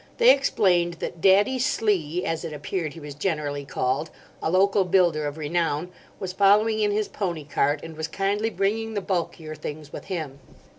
They explained that "Daddy Slee," as it appeared he was generally called, a local builder of renown, was following in his pony cart, and was kindly bringing the bulkier things with him.